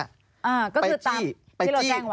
อ่าก็คือตามที่เราแจ้งไว้